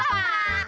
hei lempar saja bitu